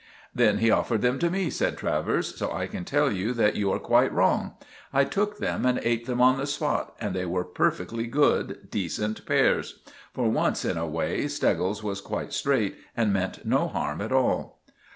"Then he offered them to me," said Travers, "so I can tell you that you are quite wrong. I took them and ate them on the spot, and they were perfectly good, decent pears. For once in a way Steggles was quite straight and meant no harm at all."